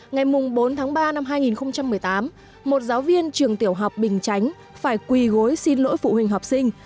ngày bốn tháng ba năm hai nghìn một mươi tám một giáo viên trường tiểu học bình chánh phải quỳ gối xin lỗi phụ huynh học sinh